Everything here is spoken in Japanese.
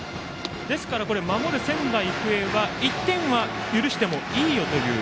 ですから、守る仙台育英は１点は許してもよいと？